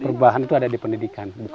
perubahan itu ada di pendidikan